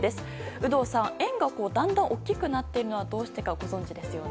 有働さん、円がだんだん大きくなっているのはどうしてかご存じですよね。